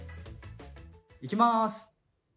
いきます。